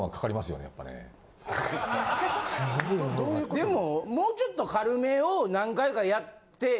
でももうちょっと軽めを何回かやって。